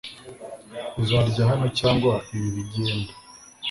Uzarya hano cyangwa ibi bigenda?